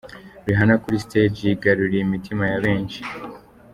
Rihanna kuri stage yigaruriye imitima ya benshi.